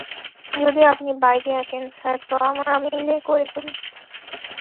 যদি আপনি বাইরে আসেন, স্যার তো আমরা মিলে করে ফেলবো।